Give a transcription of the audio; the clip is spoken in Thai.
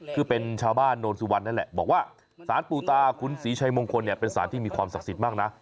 คือเป็นชาวบ้านโนนสุวรรณนั่นแหละบอกว่าสารปูตาขุนศรีชัยมงคลเนี่ยเป็นสารที่มีความศักดิ์สิทธิ์มากนะ